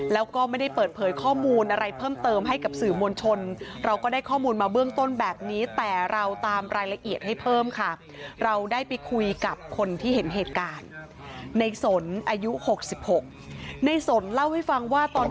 แล้วก็ไม่ได้เปิดเผยข้อมูลอะไรเพิ่มเติมให้กับสื่อมวลชนเราก็ได้ข้อมูลมาเบื้องต้นแบบนี้แต่เราตามรายละเอียดให้เพิ่มค่ะเราได้ไปคุยกับคนที่เห็นเหตุการณ์ในสนอายุ๖๖ในสนเล่าให้ฟังว่าตอน